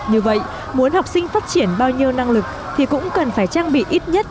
như vậy muốn học sinh phát triển bao nhiêu năng lực thì cũng cần phải trang bị ít nhất